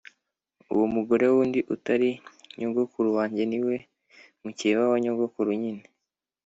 uwo mugore wundi utari nyogokuru wange ni we mukeba wa nyogokuru nyine